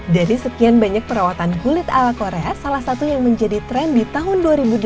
dari sekian banyak perawatan kulit ala korea salah satu yang menjadi tren di tahun dua ribu delapan belas